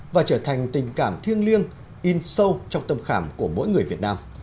và trở thành tình cảm thiêng liêng in sâu trong tâm khảm của mỗi người việt nam